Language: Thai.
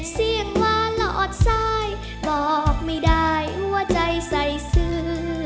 เสียงหวานหลอดซ้ายบอกไม่ได้หัวใจใส่ซื้อ